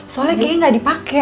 soalnya kayaknya nggak dipakai